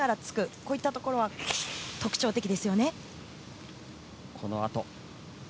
こういったところが特徴的ですよね。